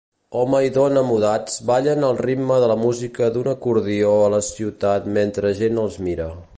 Home i dona mudats ballen al ritme de la música d'un acordió a la ciutat mentre gent els mira.